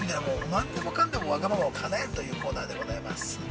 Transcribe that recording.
何でもかんでもわがままをかなえるというコーナーでございます。